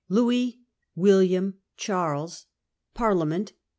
LOUIS : WILLIAM : CHARLES : PARLIAMENT.